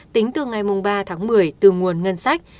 tính từ ngày ba tháng một mươi từ nguồn ngân sách